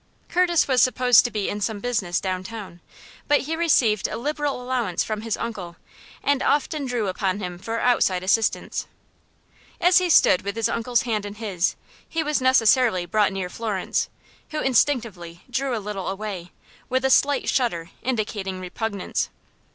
Curtis was supposed to be in some business downtown; but he received a liberal allowance from his uncle, and often drew upon him for outside assistance. As he stood with his uncle's hand in his, he was necessarily brought near Florence, who instinctively drew a little away, with a slight shudder indicating repugnance.